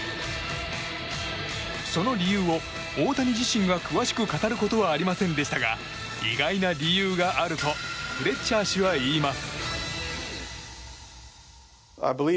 その理由を、大谷自身が詳しく語ることはありませんでしたが意外な理由があるとフレッチャー氏は言います。